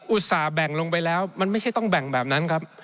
ต่าแบ่งลงไปแล้วมันไม่ใช่ต้องแบ่งแบบนั้นครับ